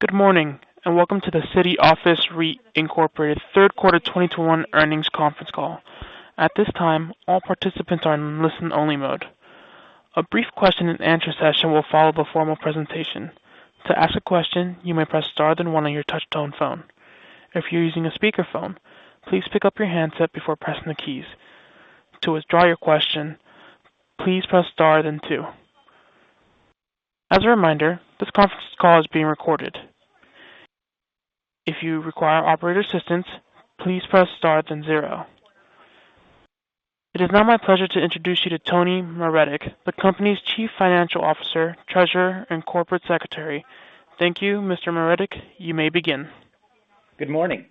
Good morning, and welcome to the City Office REIT, Inc. third quarter 2021 earnings conference call. At this time, all participants are in listen-only mode. A brief question and answer session will follow the formal presentation. To ask a question, you may press star then one on your touch-tone phone. If you're using a speakerphone, please pick up your handset before pressing the keys. To withdraw your question, please press star then two. As a reminder, this conference call is being recorded. If you require operator assistance, please press star then zero. It is now my pleasure to introduce you to Tony Maretic, the company's Chief Financial Officer, Treasurer, and Corporate Secretary. Thank you. Mr. Maretic, you may begin. Good morning.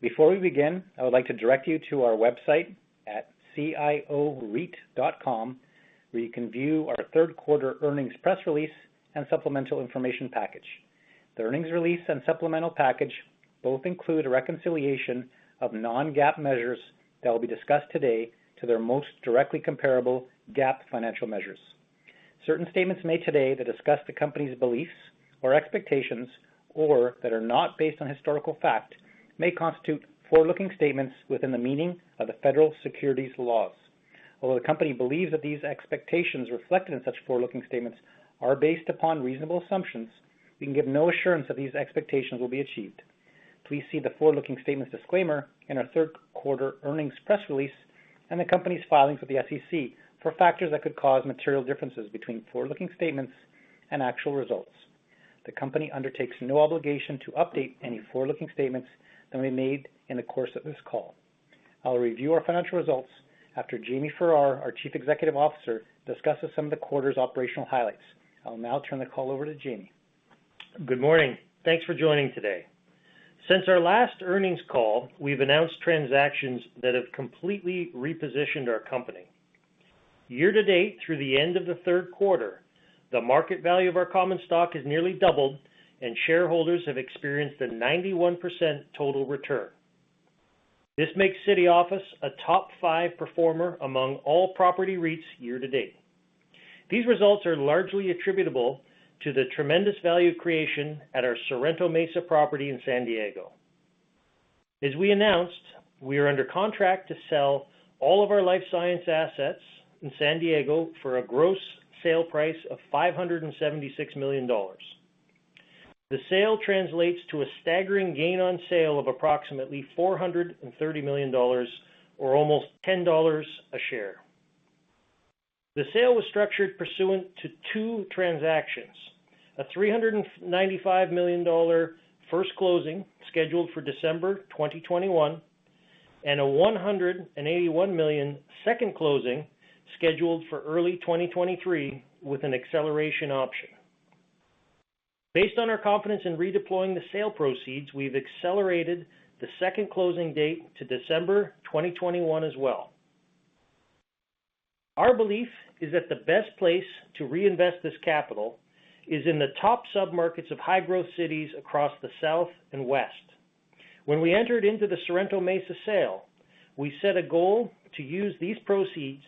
Before we begin, I would like to direct you to our website at cioreit.com, where you can view our third quarter earnings press release and supplemental information package. The earnings release and supplemental package both include a reconciliation of non-GAAP measures that will be discussed today to their most directly comparable GAAP financial measures. Certain statements made today that discuss the company's beliefs or expectations or that are not based on historical fact may constitute forward-looking statements within the meaning of the federal securities laws. Although the company believes that these expectations reflected in such forward-looking statements are based upon reasonable assumptions, we can give no assurance that these expectations will be achieved. Please see the forward-looking statements disclaimer in our third quarter earnings press release and the company's filings with the SEC for factors that could cause material differences between forward-looking statements and actual results. The company undertakes no obligation to update any forward-looking statements that may be made in the course of this call. I'll review our financial results after Jamie Farrar, our Chief Executive Officer, discusses some of the quarter's operational highlights. I'll now turn the call over to Jamie Farrar. Good morning. Thanks for joining today. Since our last earnings call, we've announced transactions that have completely repositioned our company. Year to date through the end of the third quarter, the market value of our common stock has nearly doubled, and shareholders have experienced a 91% total return. This makes City Office a top five performer among all property REITs year to date. These results are largely attributable to the tremendous value creation at our Sorrento Mesa property in San Diego. As we announced, we are under contract to sell all of our life science assets in San Diego for a gross sale price of $576 million. The sale translates to a staggering gain on sale of approximately $430 million or almost $10 a share. The sale was structured pursuant to two transactions, a $395 million first closing scheduled for December 2021 and a $181 million second closing scheduled for early 2023 with an acceleration option. Based on our confidence in redeploying the sale proceeds, we've accelerated the second closing date to December 2021 as well. Our belief is that the best place to reinvest this capital is in the top sub-markets of high-growth cities across the South and West. When we entered into the Sorrento Mesa sale, we set a goal to use these proceeds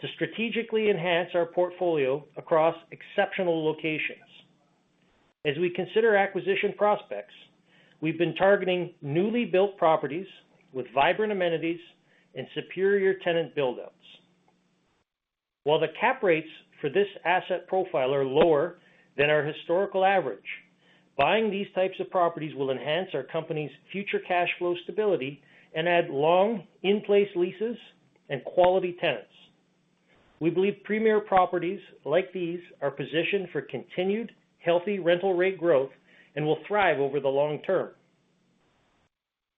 to strategically enhance our portfolio across exceptional locations. As we consider acquisition prospects, we've been targeting newly built properties with vibrant amenities and superior tenant build-outs. While the cap rates for this asset profile are lower than our historical average, buying these types of properties will enhance our company's future cash flow stability and add long in-place leases and quality tenants. We believe premier properties like these are positioned for continued healthy rental rate growth and will thrive over the long term.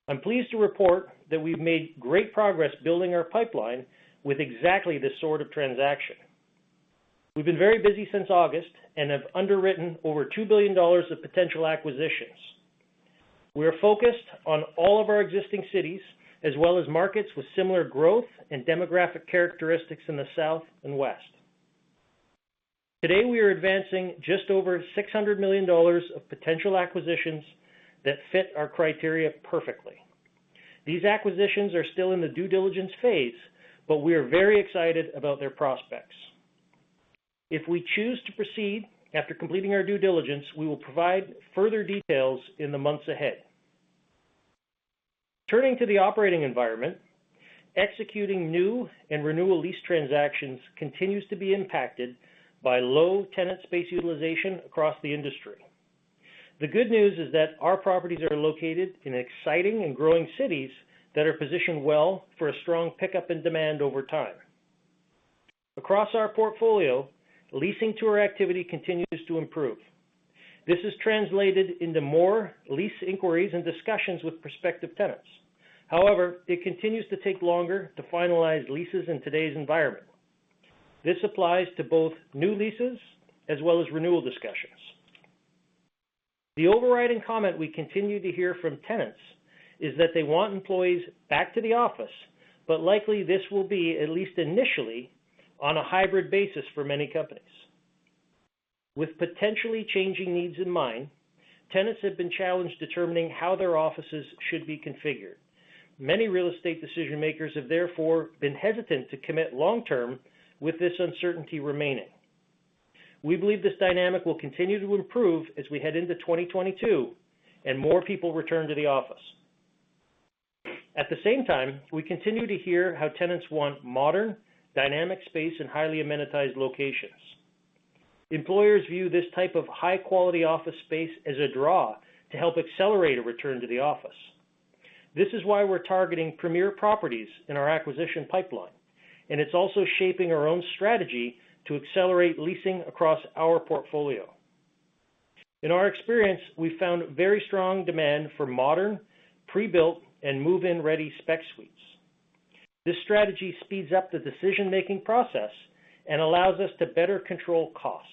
I'm pleased to report that we've made great progress building our pipeline with exactly this sort of transaction. We've been very busy since August and have underwritten over $2 billion of potential acquisitions. We are focused on all of our existing cities, as well as markets with similar growth and demographic characteristics in the South and West. Today, we are advancing just over $600 million of potential acquisitions that fit our criteria perfectly. These acquisitions are still in the due diligence phase, but we are very excited about their prospects. If we choose to proceed after completing our due diligence, we will provide further details in the months ahead. Turning to the operating environment, executing new and renewal lease transactions continues to be impacted by low tenant space utilization across the industry. The good news is that our properties are located in exciting and growing cities that are positioned well for a strong pickup in demand over time. Across our portfolio, leasing tour activity continues to improve. This has translated into more lease inquiries and discussions with prospective tenants. However, it continues to take longer to finalize leases in today's environment. This applies to both new leases as well as renewal discussions. The overriding comment we continue to hear from tenants is that they want employees back to the office, but likely this will be, at least initially, on a hybrid basis for many companies. With potentially changing needs in mind, tenants have been challenged determining how their offices should be configured. Many real estate decision makers have therefore been hesitant to commit long-term with this uncertainty remaining. We believe this dynamic will continue to improve as we head into 2022 and more people return to the office. At the same time, we continue to hear how tenants want modern, dynamic space in highly amenitized locations. Employers view this type of high-quality office space as a draw to help accelerate a return to the office. This is why we're targeting premier properties in our acquisition pipeline, and it's also shaping our own strategy to accelerate leasing across our portfolio. In our experience, we found very strong demand for modern, pre-built, and move-in ready spec suites. This strategy speeds up the decision-making process and allows us to better control costs.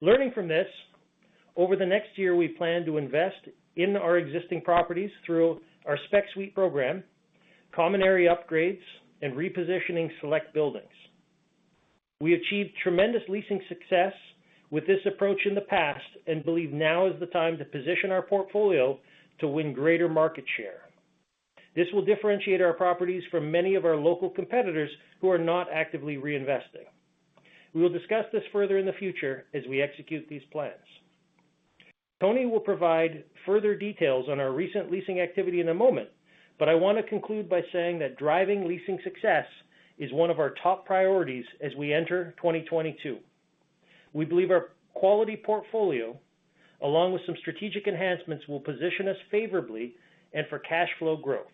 Learning from this, over the next year, we plan to invest in our existing properties through our spec suite program, common area upgrades, and repositioning select buildings. We achieved tremendous leasing success with this approach in the past and believe now is the time to position our portfolio to win greater market share. This will differentiate our properties from many of our local competitors who are not actively reinvesting. We will discuss this further in the future as we execute these plans. Tony Maretic will provide further details on our recent leasing activity in a moment, but I want to conclude by saying that driving leasing success is one of our top priorities as we enter 2022. We believe our quality portfolio, along with some strategic enhancements, will position us favorably and for cash flow growth.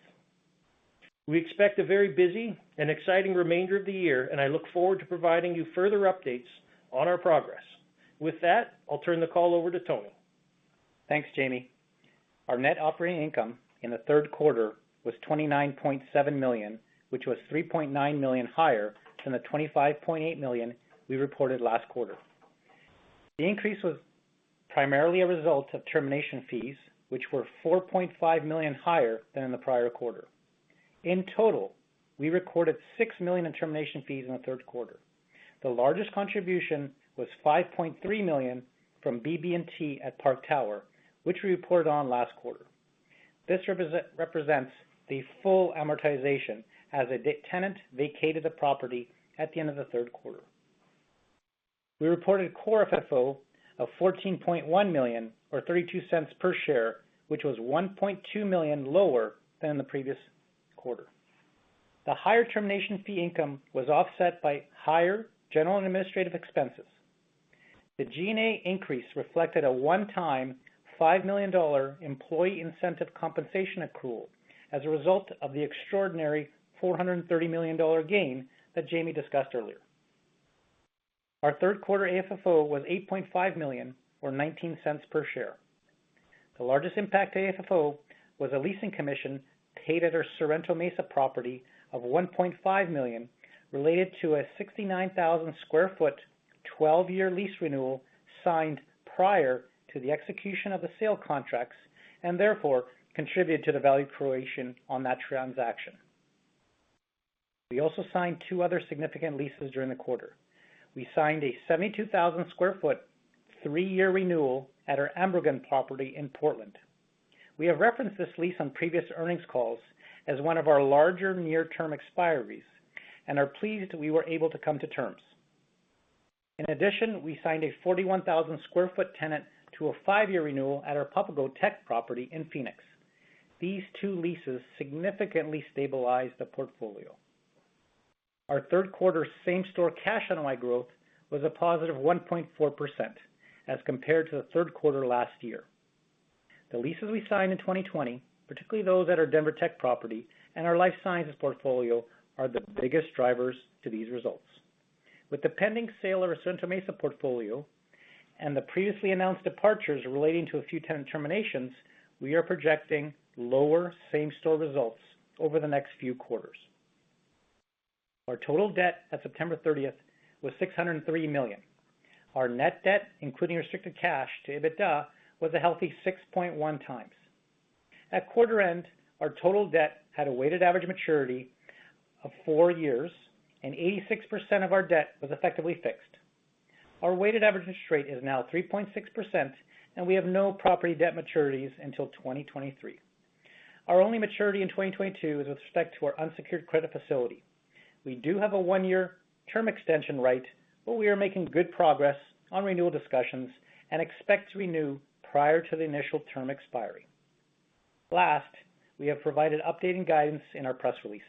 We expect a very busy and exciting remainder of the year, and I look forward to providing you further updates on our progress. With that, I'll turn the call over to Tony Maretic. Thanks, Jamie. Our net operating income in the third quarter was $29.7 million, which was $3.9 million higher than the $25.8 million we reported last quarter. The increase was primarily a result of termination fees, which were $4.5 million higher than in the prior quarter. In total, we recorded $6 million in termination fees in the third quarter. The largest contribution was $5.3 million from BB&T at Park Tower, which we reported on last quarter. This represents the full amortization as the tenant vacated the property at the end of the third quarter. We reported Core FFO of $14.1 million or $0.32 per share, which was $1.2 million lower than the previous quarter. The higher termination fee income was offset by higher general and administrative expenses. The G&A increase reflected a one-time $5 million employee incentive compensation accrual as a result of the extraordinary $430 million gain that Jamie discussed earlier. Our third quarter AFFO was $8.5 million or $0.19 per share. The largest impact to AFFO was a leasing commission paid at our Sorrento Mesa property of $1.5 million related to a 69,000 sq ft, 12-year lease renewal signed prior to the execution of the sale contracts, and therefore contributed to the value creation on that transaction. We also signed two other significant leases during the quarter. We signed a 72,000 sq ft, 3-year renewal at our AmberGlen property in Portland. We have referenced this lease on previous earnings calls as one of our larger near-term expiries and are pleased we were able to come to terms. In addition, we signed a 41,000 sq ft tenant to a five-year renewal at our Papago Tech property in Phoenix. These two leases significantly stabilized the portfolio. Our third quarter Same-Store Cash NOI growth was a positive 1.4% as compared to the third quarter last year. The leases we signed in 2020, particularly those at our Denver Tech property and our life sciences portfolio, are the biggest drivers to these results. With the pending sale of our Sorrento Mesa portfolio and the previously announced departures relating to a few tenant terminations, we are projecting lower same-store results over the next few quarters. Our total debt at September 30 was $603 million. Our net debt, including restricted cash to EBITDA, was a healthy 6.1x. At quarter end, our total debt had a weighted average maturity of four years and 86% of our debt was effectively fixed. Our weighted average interest rate is now 3.6%, and we have no property debt maturities until 2023. Our only maturity in 2022 is with respect to our unsecured credit facility. We do have a one-year term extension right, but we are making good progress on renewal discussions and expect to renew prior to the initial term expiry. Last, we have provided updating guidance in our press release.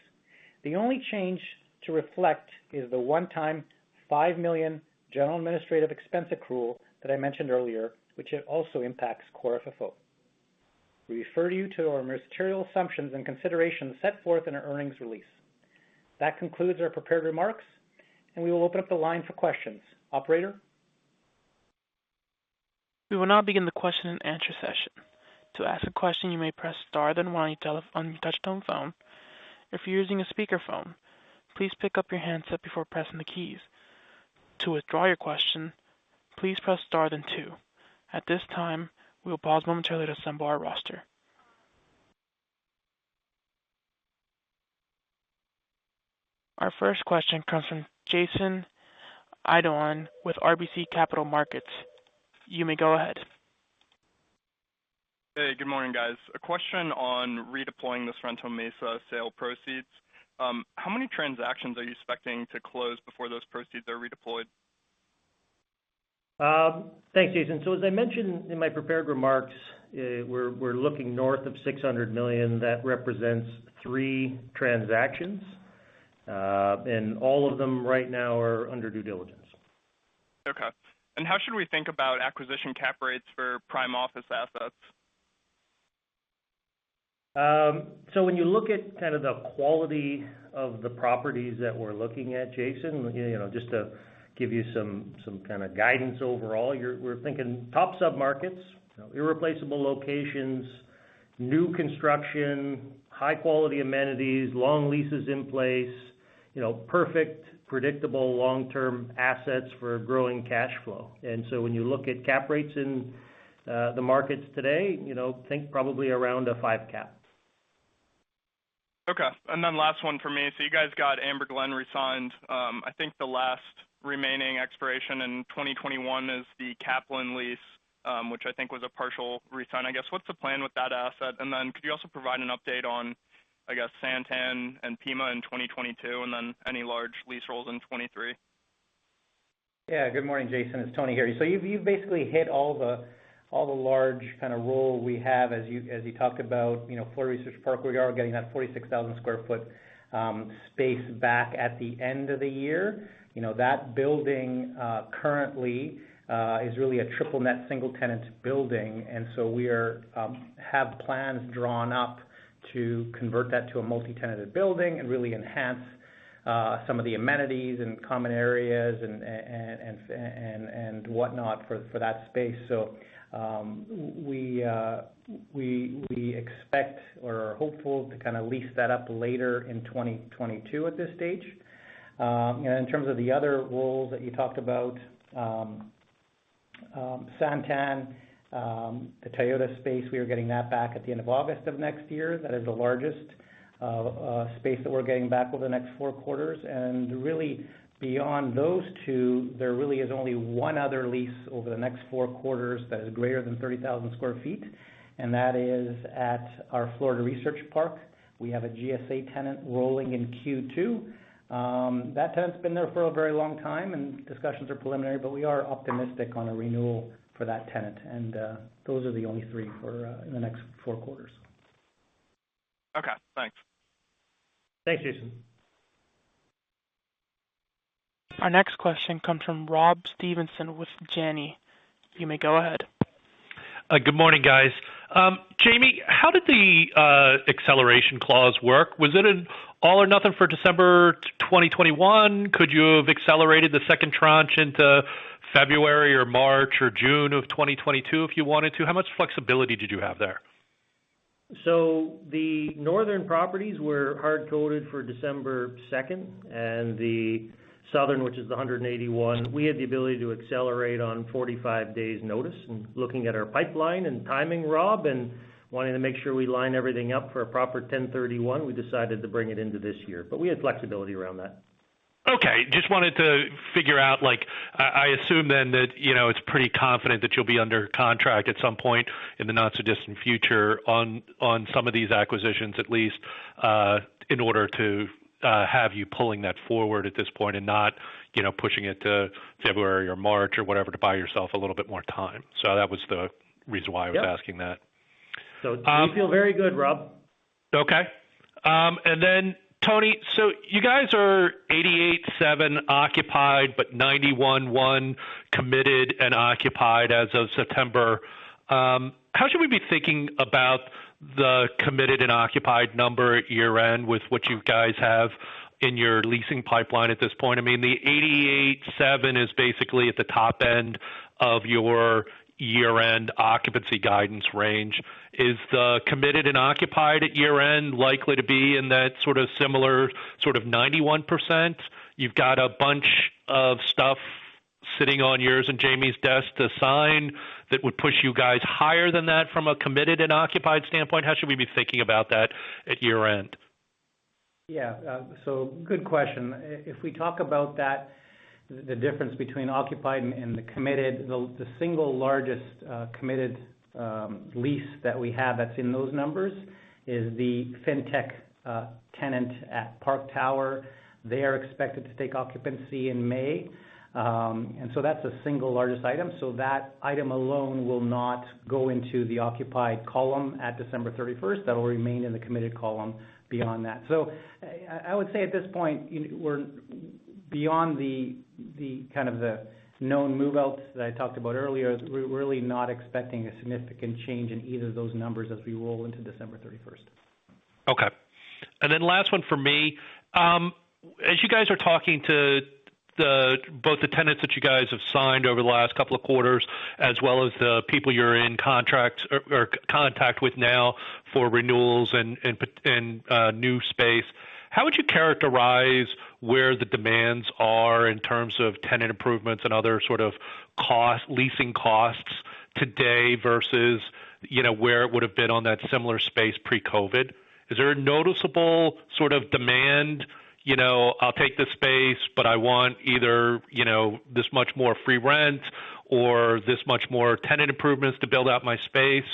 The only change to reflect is the one-time $5 million general administrative expense accrual that I mentioned earlier, which it also impacts Core FFO. We refer you to our material assumptions and considerations set forth in our earnings release. That concludes our prepared remarks, and we will open up the line for questions. Operator? We will now begin the question and answer session. To ask a question, you may press star then one on your touchtone phone. If you're using a speakerphone, please pick up your handset before pressing the keys. To withdraw your question, please press star then two. At this time, we will pause momentarily to assemble our roster. Our first question comes from Jason Idoine with RBC Capital Markets, you may go ahead. Hey, good morning, guys. A question on redeploying this Sorrento Mesa sale proceeds. How many transactions are you expecting to close before those proceeds are redeployed? Thanks, Jason. As I mentioned in my prepared remarks, we're looking north of $600 million. That represents three transactions, and all of them right now are under due diligence. Okay. How should we think about acquisition cap rates for prime office assets? When you look at kind of the quality of the properties that we're looking at, Jason, you know, just to give you some kind of guidance overall. We're thinking top sub-markets, irreplaceable locations, new construction, high quality amenities, long leases in place, you know, perfect, predictable long-term assets for growing cash flow. When you look at cap rates in the markets today, you know, think probably around a five cap. Okay. Last one for me. You guys got AmberGlen re-signed. I think the last remaining expiration in 2021 is the Kaplan lease, which I think was a partial re-sign, I guess. What's the plan with that asset? Could you also provide an update on, I guess, San Tan and Pima in 2022, and then any large lease rolls in 2023? Yeah. Good morning, Jason. It's Tony Maretic here. You've basically hit all the large kind of roll we have as you talked about. You know, Florida Research Park, we are getting that 46,000 sq ft space back at the end of the year. You know, that building currently is really a triple net, single-tenant building. We have plans drawn up to convert that to a multi-tenanted building and really enhance some of the amenities and common areas and whatnot for that space. We expect or are hopeful to kind of lease that up later in 2022 at this stage. In terms of the other roles that you talked about, San Tan, the Toyota space, we are getting that back at the end of August of next year. That is the largest space that we're getting back over the next four quarters. Really beyond those two, there really is only one other lease over the next four quarters that is greater than 30,000 sq ft, and that is at our Florida Research Park. We have a GSA tenant rolling in Q2. That tenant's been there for a very long time and discussions are preliminary, but we are optimistic on a renewal for that tenant. Those are the only three in the next four quarters. Okay, thanks. Thanks, Jason. Our next question comes from Rob Stevenson with Janney, you may go ahead. Good morning, guys. Jamie, how did the acceleration clause work? Was it an all or nothing for December 2021? Could you have accelerated the second tranche into February or March or June of 2022 if you wanted to? How much flexibility did you have there? The northern properties were hard coded for December 2, and the southern, which is the 181, we had the ability to accelerate on 45 days notice. Looking at our pipeline and timing, Rob, and wanting to make sure we line everything up for a proper 1031 exchange, we decided to bring it into this year. We had flexibility around that. Okay. Just wanted to figure out, like, I assume then that, you know, it's pretty confident that you'll be under contract at some point in the not-so-distant future on some of these acquisitions, at least, in order to have you pulling that forward at some point and not, you know, pushing it to February or March or whatever to buy yourself a little bit more time. That was the reason why I was asking that. We feel very good, Rob. Okay. Tony, so you guys are 88.7% occupied, but 91.1% committed and occupied as of September. How should we be thinking about the committed and occupied number at year-end with what you guys have in your leasing pipeline at this point? I mean, the 88.7% is basically at the top end of your year-end occupancy guidance range. Is the committed and occupied at year-end likely to be in that sort of similar sort of 91%? You've got a bunch of stuff sitting on yours and Jamie's desk to sign that would push you guys higher than that from a committed and occupied standpoint. How should we be thinking about that at year-end? Yeah. Good question. If we talk about that, the difference between occupied and the committed, the single largest committed lease that we have that's in those numbers is the fintech tenant at Park Tower. They are expected to take occupancy in May. That's the single largest item. That item alone will not go into the occupied column at December thirty-first. That will remain in the committed column beyond that. I would say at this point, you know, we're beyond the kind of known move outs that I talked about earlier. We're really not expecting a significant change in either of those numbers as we roll into December thirty-first. Okay. Last one for me. As you guys are talking to both the tenants that you guys have signed over the last couple of quarters, as well as the people you're in contracts or contact with now for renewals and new space, how would you characterize where the demands are in terms of tenant improvements and other sort of leasing costs today versus, you know, where it would have been on that similar space pre-COVID? Is there a noticeable sort of demand, you know, I'll take the space, but I want either, you know, this much more free rent or this much more tenant improvements to build out my space.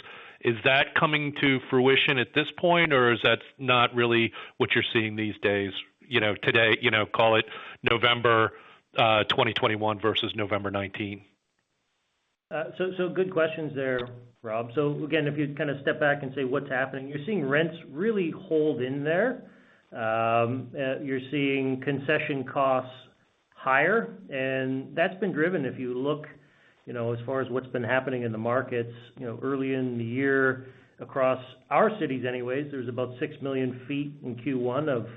Is that coming to fruition at this point, or is that not really what you're seeing these days? You know, today, you know, call it November 2021 versus November 2019. Good questions there, Rob. Again, if you kind of step back and say what's happening, you're seeing rents really hold in there. You're seeing concession costs higher, and that's been driven. If you look, you know, as far as what's been happening in the markets, you know, early in the year across our cities anyways, there's about six million sq ft in Q1 of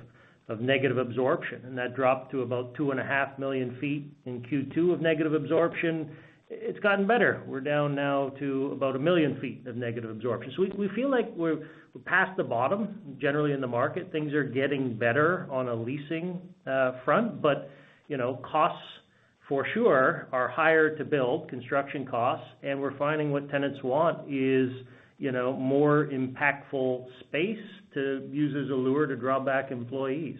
negative absorption. That dropped to about 2.5 million sq ft in Q2 of negative absorption. It's gotten better. We're down now to about one million sq ft of negative absorption. We feel like we're past the bottom. Generally in the market, things are getting better on a leasing front. You know, costs for sure are higher to build construction costs. We're finding what tenants want is, you know, more impactful space to use as a lure to draw back employees.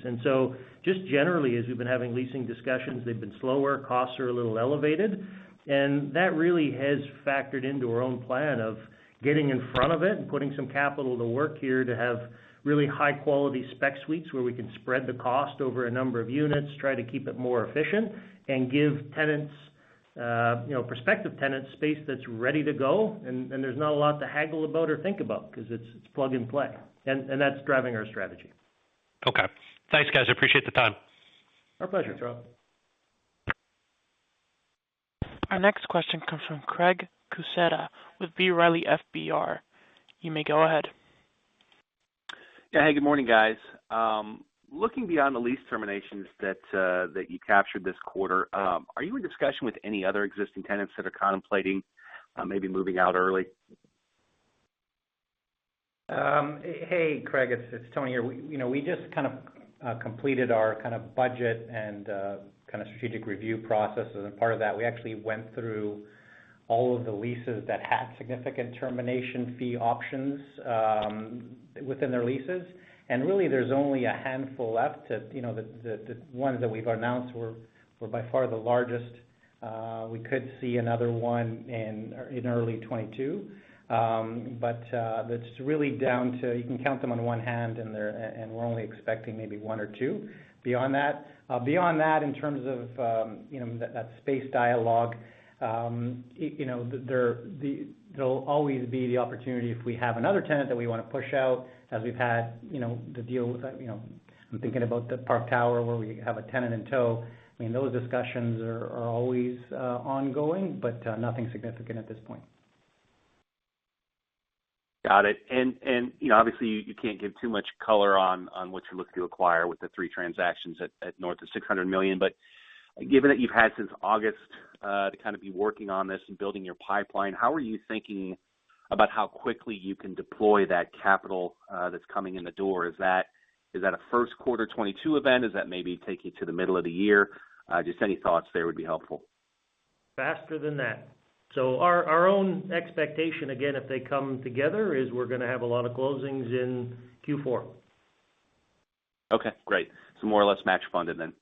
Just generally, as we've been having leasing discussions, they've been slower, costs are a little elevated. That really has factored into our own plan of getting in front of it and putting some capital to work here to have really high-quality spec suites where we can spread the cost over a number of units, try to keep it more efficient and give tenants, you know, prospective tenants space that's ready to go. There's not a lot to haggle about or think about because it's plug and play. That's driving our strategy. Okay. Thanks, guys. I appreciate the time. Our pleasure, Rob. Our next question comes from Craig Kucera with B. Riley FBR. you may go ahead. Yeah. Hey, good morning, guys. Looking beyond the lease terminations that you captured this quarter, are you in discussion with any other existing tenants that are contemplating maybe moving out early? Hey, Craig, it's Tony here. You know, we just kind of completed our kind of budget and kind of strategic review processes. Part of that, we actually went through all of the leases that had significant termination fee options within their leases. Really, there's only a handful left that, you know, the ones that we've announced were by far the largest. We could see another one in early 2022. That's really down to you can count them on one hand, and they're and we're only expecting maybe one or two beyond that. Beyond that, in terms of, you know, that space dialogue, you know, there'll always be the opportunity if we have another tenant that we want to push out as we've had, you know, the deal with, you know, I'm thinking about the Park Tower where we have a tenant in tow. I mean, those discussions are always ongoing, but nothing significant at this point. Got it. You know, obviously you can't give too much color on what you're looking to acquire with the three transactions at north of $600 million. Given that you've had since August to kind of be working on this and building your pipeline, how are you thinking about how quickly you can deploy that capital that's coming in the door? Is that a first quarter 2022 event? Does that maybe take you to the middle of the year? Just any thoughts there would be helpful. Faster than that. Our own expectation, again, if they come together, is we're gonna have a lot of closings in Q4. Okay, great. More or less match funded then.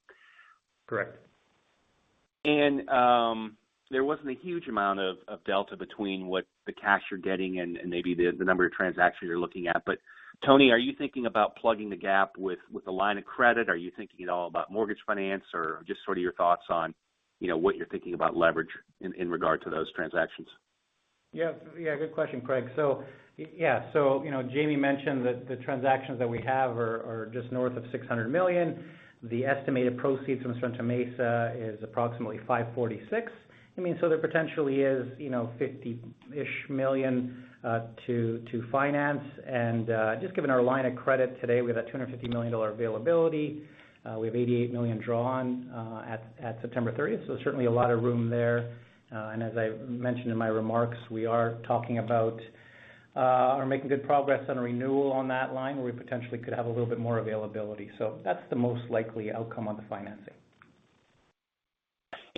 Correct. There wasn't a huge amount of delta between what the cash you're getting and maybe the number of transactions you're looking at. Tony, are you thinking about plugging the gap with a line of credit? Are you thinking at all about mortgage finance or just sort of your thoughts on, you know, what you're thinking about leverage in regard to those transactions? Yeah, yeah, good question, Craig. Yeah. You know, Jamie mentioned that the transactions that we have are just north of $600 million. The estimated proceeds from Sorrento Mesa is approximately $546 million. I mean, there potentially is, you know, $50-ish million to finance. Just given our line of credit today, we have a $250 million availability. We have $88 million drawn at September 30. Certainly a lot of room there. As I mentioned in my remarks, we are talking about or making good progress on a renewal on that line, where we potentially could have a little bit more availability. That's the most likely outcome on the financing.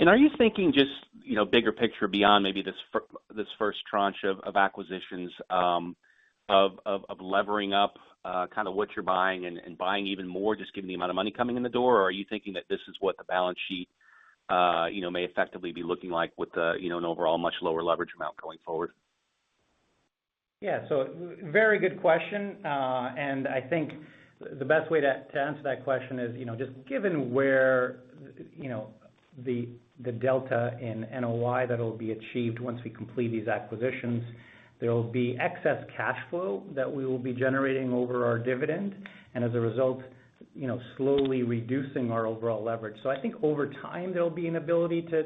Are you thinking just, you know, bigger picture beyond maybe this first tranche of levering up kind of what you're buying and buying even more, just given the amount of money coming in the door? Or are you thinking that this is what the balance sheet, you know, may effectively be looking like with the, you know, an overall much lower leverage amount going forward? Yeah. Very good question. I think the best way to answer that question is, you know, just given where, you know, the delta in NOI that'll be achieved once we complete these acquisitions, there will be excess cash flow that we will be generating over our dividend and as a result, you know, slowly reducing our overall leverage. I think over time, there'll be an ability to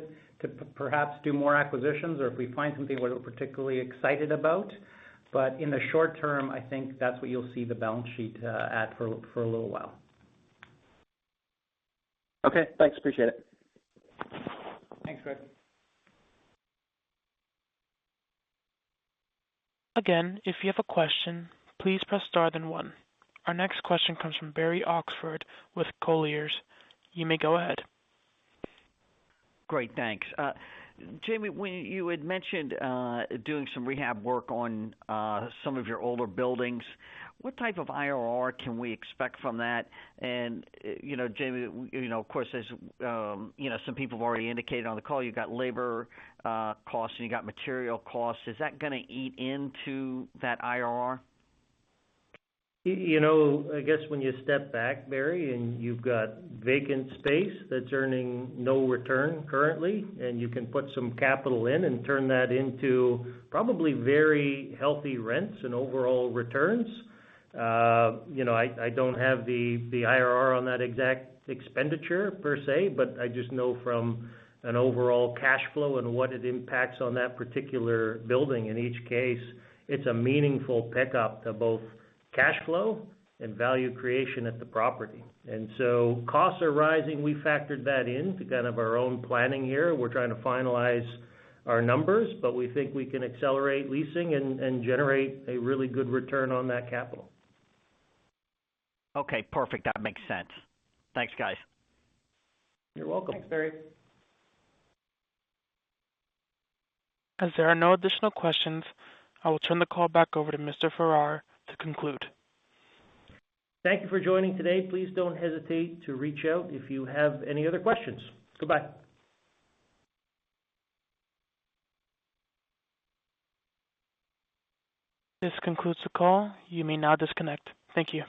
perhaps do more acquisitions or if we find something we're particularly excited about. In the short term, I think that's what you'll see the balance sheet at for a little while. Okay, thanks. Appreciate it. Thanks, Craig. Again, if you have a question, please press Star then one. Our next question comes from Barry Oxford with Colliers, you may go ahead. Great, thanks. Jamie, when you had mentioned doing some rehab work on some of your older buildings, what type of IRR can we expect from that? You know, Jamie, you know, of course, as you know, some people have already indicated on the call, you've got labor costs, and you've got material costs. Is that gonna eat into that IRR? You know, I guess when you step back, Barry, and you've got vacant space that's earning no return currently, and you can put some capital in and turn that into probably very healthy rents and overall returns. You know, I don't have the IRR on that exact expenditure per se, but I just know from an overall cash flow and what it impacts on that particular building in each case, it's a meaningful pickup to both cash flow and value creation at the property. Costs are rising. We factored that into kind of our own planning here. We're trying to finalize our numbers, but we think we can accelerate leasing and generate a really good return on that capital. Okay, perfect. That makes sense. Thanks, guys. You're welcome. As there are no additional questions, I will turn the call back over to Mr. Farrar to conclude. Thank you for joining today. Please don't hesitate to reach out if you have any other questions. Goodbye. This concludes the call. You may now disconnect. Thank you.